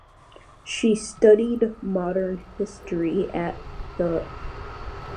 She studied modern history at the Vrije Universiteit Amsterdam.